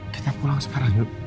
kita pulang sekarang yuk